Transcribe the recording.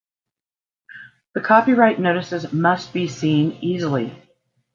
The copyright notices must be seen easily.